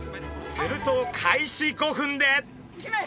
すると開始５分で。